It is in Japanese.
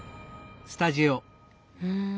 うん。